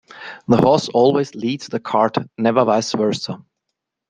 The horse always leads the cart, never vice versa.